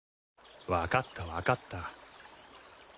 分かった分かった。